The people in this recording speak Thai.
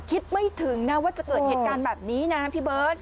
คิดไม่ถึงนะว่าจะเกิดเหตุการณ์แบบนี้นะพี่เบิร์ต